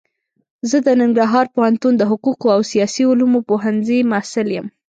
زه د ننګرهار پوهنتون د حقوقو او سیاسي علومو پوهنځي محصل يم.